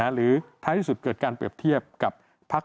หรือท้ายที่สุดเกิดการเปรียบเทียบกับพัก